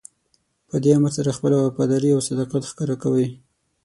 په دې امر سره خپله وفاداري او صداقت ښکاره کوئ.